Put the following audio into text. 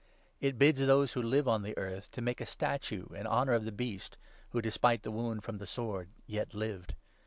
It bids those who live on the earth to make a statue in honour of the Beast, who, despite the wound from the sword, yet lived.